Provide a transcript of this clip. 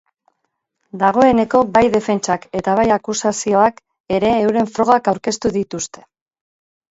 Dagoeneko, bai defentsak eta bai akusazioak ere euren frogak aurkeztu dituzte.